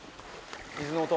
水流の音］